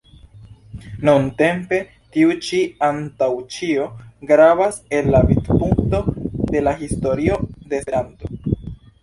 Nuntempe tiu ĉi antaŭ ĉio gravas el la vidpunkto de la historio de Esperanto.